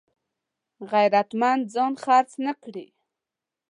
غیرتمند ځان خرڅ نه کړي